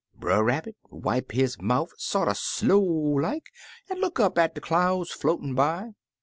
Brer Rabbit wipe his mouf sorter slow like, an' look up at de clouds floatin' by.